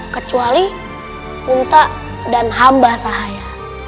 kecuali unta dan hamba sahaya